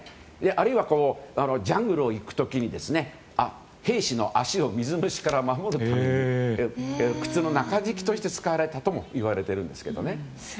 あるいはジャングルを行く時に兵士の足を水虫から守るために、靴の中敷きとして使われたともいわれているんですけどね。